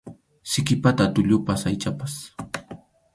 Siki pata tullupas aychapas.